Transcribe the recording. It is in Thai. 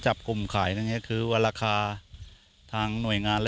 ชาวนาในพื้นที่เข้ารวมกลุ่มและสร้างอำนาจต่อรองได้